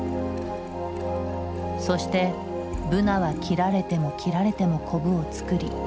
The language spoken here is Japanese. そしてブナは切られても切られてもコブを作り生き続けた。